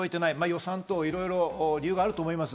予算等、理由があると思います。